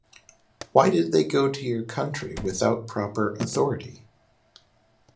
Why did they go to your country without proper authority?